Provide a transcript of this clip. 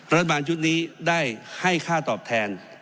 รัฐบาลชุดนี้ได้ให้ค่าตอบแทน